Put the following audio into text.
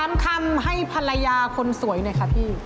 คำให้ภรรยาคนสวยหน่อยค่ะพี่